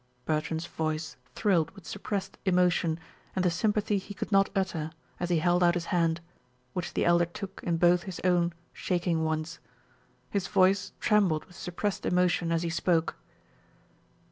Bertrand's voice thrilled with suppressed emotion and the sympathy he could not utter, as he held out his hand, which the Elder took in both his own shaking ones. His voice trembled with suppressed emotion as he spoke.